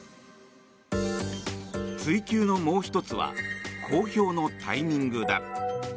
追及のもう１つは公表のタイミングだ。